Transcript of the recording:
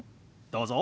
どうぞ。